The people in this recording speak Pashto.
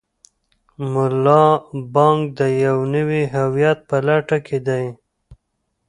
ملا بانګ د یو نوي هویت په لټه کې دی.